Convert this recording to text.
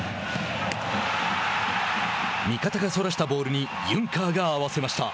味方がそらしたボールにユンカーが合わせました。